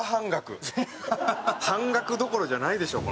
半額どころじゃないでしょ。